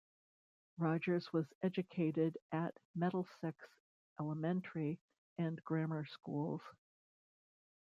Rogers was educated at Middlesex elementary and grammar schools.